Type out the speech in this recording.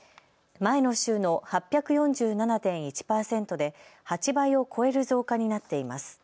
前の週の８４７．１％で８倍を超える増加になっています。